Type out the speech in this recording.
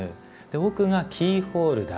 奥がキーホルダー。